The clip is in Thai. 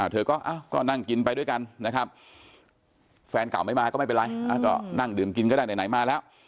เธอก็นั่งกินไปด้วยกันนะครับแฟนเก่าไม่มาก็ไม่เป็นไรก็นั่งดื่มกินก็ได้ไหนมาแล้ว